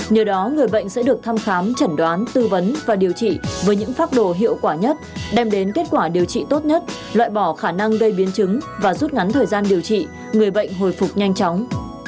nhờ đó người bệnh sẽ được thăm khám chẩn đoán tư vấn và điều trị với những pháp đồ hiệu quả nhất đem đến kết quả điều trị tốt nhất loại bỏ khả năng gây biến chứng và rút ngắn thời gian điều trị người bệnh hồi phục nhanh chóng